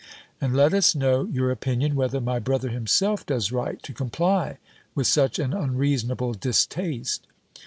And let us know your opinion, whether my brother himself does right, to comply with such an unreasonable distaste?"